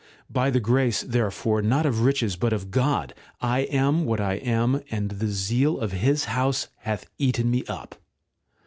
By the grace, therefore, not of riches, but of God, I am what I am, and the zeal of His house hath eaten me up.